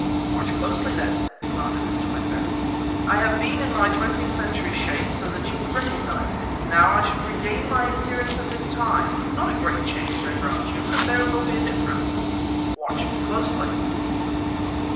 "Watch closely then," commanded Mr. Wicker. "I have been in my twentieth century shape so that you would recognize me. Now I shall regain my appearance of this time not a great change, I grant you, but there will be a difference. Watch me closely."